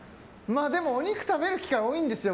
でも、お肉食べる機会多いんですよ。